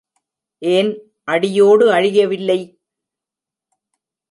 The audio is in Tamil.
ஏன் அடியோடு அழியவில்லை?